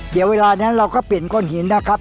เดี๋ยวเวลานั้นเราก็เปลี่ยนก้อนหินนะครับ